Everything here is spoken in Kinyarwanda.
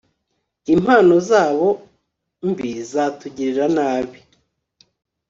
Impano zabo mbi zatugirira nabi